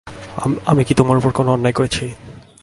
আমি কী তোমার উপর কোনো অন্যায় করেছি।